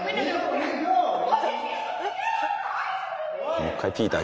もう一回「ピーター！」